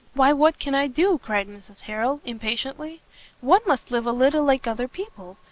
"Why what can I do?" cried Mrs Harrel, impatiently, "one must live a little like other people.